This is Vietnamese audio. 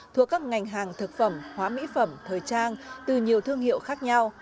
thuộc các ngành hàng thực phẩm hóa mỹ phẩm thời trang từ nhiều thương hiệu khác nhau